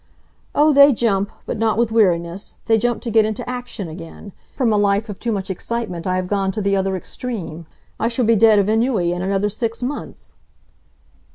"Oh, they jump, but not with weariness. They jump to get into action again. From a life of too much excitement I have gone to the other extreme. I shall be dead of ennui in another six months."